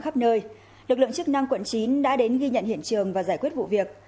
khắp nơi lực lượng chức năng quận chín đã đến ghi nhận hiện trường và giải quyết vụ việc